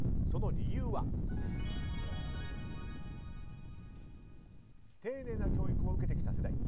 その理由は丁寧な教育を受けてきた世代。